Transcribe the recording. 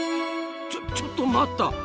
ちょちょっと待った！